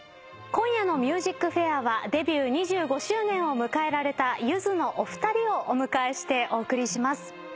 今夜の『ＭＵＳＩＣＦＡＩＲ』はデビュー２５周年を迎えられたゆずのお二人をお迎えしてお送りします。